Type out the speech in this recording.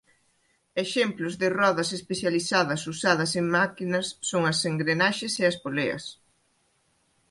Exemplos de rodas especializadas usadas en máquinas son as engrenaxes e as poleas.